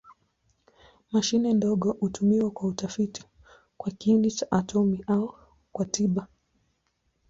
Mashine ndogo hutumiwa kwa utafiti kwa kiini cha atomi au kwa tiba.